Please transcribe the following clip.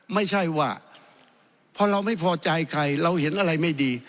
ไม่ใช่ว่าพอเราไม่พอใจใครเราเห็นอะไรไม่ดี